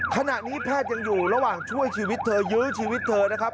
ขณะนี้แพทย์ยังอยู่ระหว่างช่วยชีวิตเธอยื้อชีวิตเธอนะครับ